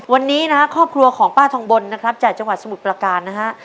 วันนี้นะฮะครอบครัวของป้าทองบนนะครับจากจังหวัดสมุทรประการนะฮะ